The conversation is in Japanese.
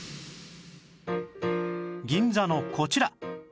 銀座のこちら